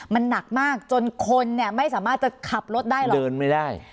มันหนักมากจนคนเนี่ยไม่สามารถจะขับรถได้หรอกเดินไม่ได้